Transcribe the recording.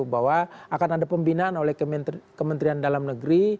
bahwa akan ada pembinaan oleh kementerian dalam negeri